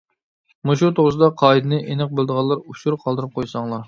مۇشۇ توغرىسىدا قائىدىنى ئېنىق بىلىدىغانلار ئۇچۇر قالدۇرۇپ قويساڭلار!